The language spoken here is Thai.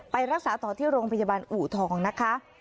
ไปรักษาต่อที่โรงพยาบาลอูทองนะคะ